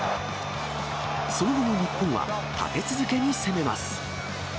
その後も日本は、立て続けに攻めます。